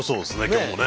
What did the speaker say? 今日もね。